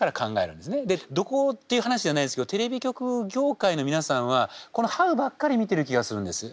でどこっていう話じゃないですけどテレビ局業界の皆さんはこのＨＯＷばっかり見てる気がするんです。